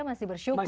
masih bersyukur ya